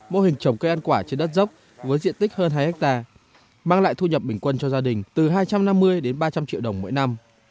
mô hình trồng cây ăn quả trên đất dốc với diện tích hơn hai hectare mang lại thu nhập bình quân cho gia đình từ hai trăm năm mươi đến ba trăm linh triệu đồng mỗi năm